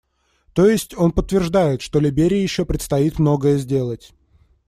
То есть, он подтверждает, что Либерии еще предстоит многое сделать.